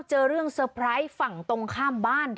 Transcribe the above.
เจอเรื่องเซอร์ไพรส์ฝั่งตรงข้ามบ้าน